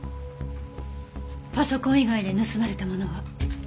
パソコン以外で盗まれたものは？